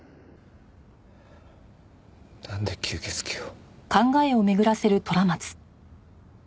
なんで吸血鬼を？